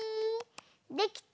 できた？